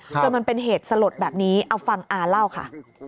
มันเป็นเหตุสลดแบบนี้เอาฟังอาเล่าค่ะ